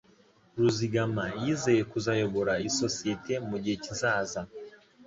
Ruzigama yizeye kuzayobora isosiyete mugihe kizaza